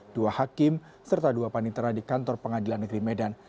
dua hakim serta dua panitera di kantor pengadilan negeri medan